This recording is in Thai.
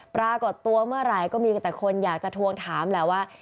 ปรากฏตัวเมื่อไหร่ก็มีแต่คนอยากจะทวงถามแหละว่า